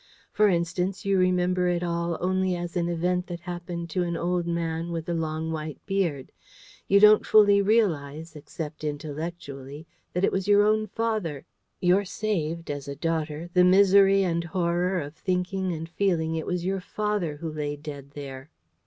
For instance, you remember it all only as an event that happened to an old man with a long white beard. You don't fully realise, except intellectually, that it was your own father. You're saved, as a daughter, the misery and horror of thinking and feeling it was your father who lay dead there."